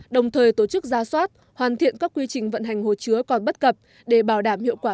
đồng thời tổ chức ra soát hoàn thiện các quy trình vận hành hồ chứa còn bất cập để bảo đảm hiệu quả